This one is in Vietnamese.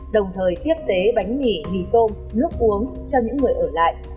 đồng thời tiếp tế bánh mì mì tôm nước uống cho những người ở lại